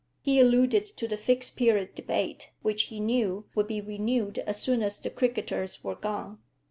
He alluded to the Fixed Period debate, which he knew would be renewed as soon as the cricketers were gone.